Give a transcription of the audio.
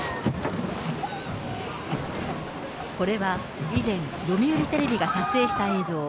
これは以前、読売テレビが撮影した映像。